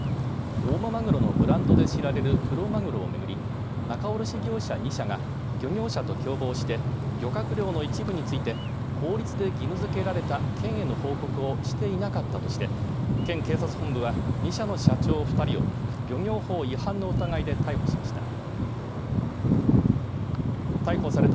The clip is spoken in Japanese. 大間まぐろのブランドで知られるクロマグロを巡り仲卸業者２社が漁業者と共謀して漁獲量の一部について法律で義務づけられた県への報告をしていなかったとして県警察本部は２社の社長２人を漁業法違反の疑いで逮捕しました。